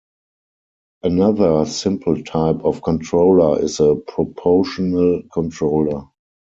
Another simple type of controller is a proportional controller.